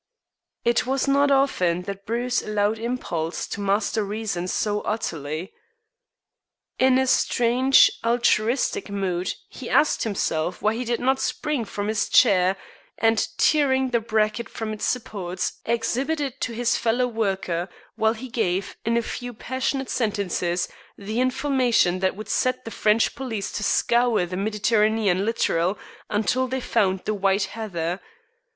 It was not often that Bruce allowed impulse to master reason so utterly. In strange altruistic mood he asked himself why he did not spring from his chair, and, tearing the bracket from its supports, exhibit it to his fellow worker, while he gave, in a few passionate sentences, the information that would set the French police to scour the Mediterranean littoral until they found the White Heather.